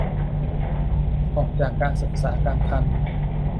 ออกจากการศึกษากลางคัน